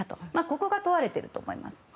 ここが問われていると思います。